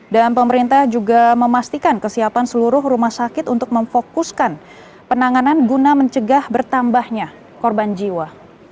dan pemerintah juga memastikan kesiapan seluruh rumah sakit untuk memfokuskan penanganan guna mencegah bertambahnya korban jiwa